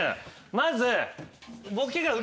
まず。